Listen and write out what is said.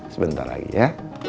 sebentar lagi ya